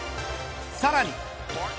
さらに。